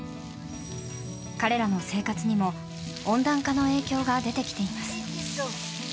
彼らの生活にも温暖化の影響が出てきています。